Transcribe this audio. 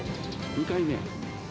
２回目？